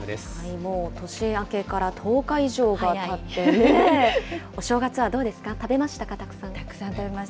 もう年明けから１０日以上がたって、お正月はどうですか、食たくさん食べました。